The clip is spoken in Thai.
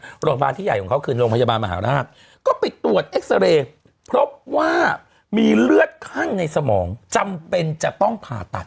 โรงพยาบาลที่ใหญ่ของเขาคือโรงพยาบาลมหาราชก็ไปตรวจเอ็กซาเรย์พบว่ามีเลือดข้างในสมองจำเป็นจะต้องผ่าตัด